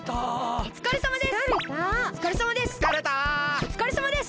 おつかれさまです！